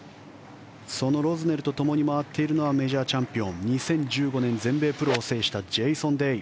そのロズネルとともに回っているのは全米チャンピオン２０１５年のマスターズを制したジェイソン・デイ。